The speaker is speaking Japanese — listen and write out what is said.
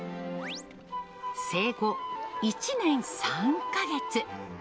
生後１年３か月。